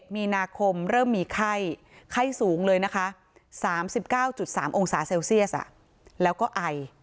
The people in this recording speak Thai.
มีนาคมเริ่มมีไข้ไข้สูงเลยนะคะ๓๙๓องศาเซลเซียสแล้วก็ไอ